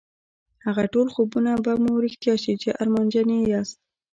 هغه ټول خوبونه به مو رښتيا شي چې ارمانجن يې ياست.